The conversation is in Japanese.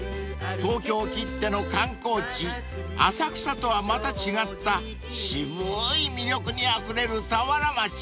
［東京きっての観光地浅草とはまた違った渋い魅力にあふれる田原町］